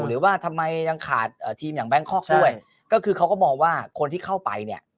หรือว่าทำไมยังขาดเอ่อทีมอย่างแบงคอกด้วยก็คือเขาก็มองว่าคนที่เข้าไปเนี่ย